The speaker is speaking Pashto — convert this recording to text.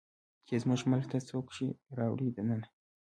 چې زموږ ملک ته څوک شی راوړي دننه